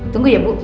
tunggu ya bu